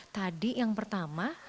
tadi yang pertama